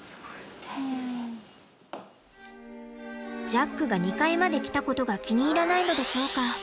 ジャックが２階まで来たことが気に入らないのでしょうか。